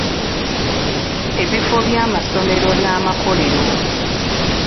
Ebifo by'amasomero n'amakolero.